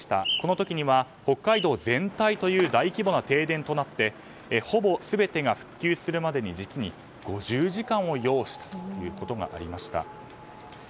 この時には北海道全体という大規模な停電となってほぼ全てが復旧するまでに実に５０時間を要しました。